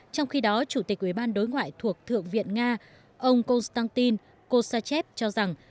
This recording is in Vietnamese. trong khi đó chủ tịch ubnd thuộc thượng viện nga ông konstantin kosachev cho rằng